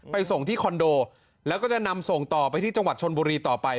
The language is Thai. ส่งที่คอนโดแล้วก็จะนำส่งต่อไปที่จังหวัดชนบุรีต่อไป